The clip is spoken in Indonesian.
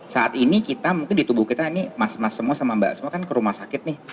saat ini kita mungkin di tubuh kita ini mas mas semua sama mbak semua kan ke rumah sakit nih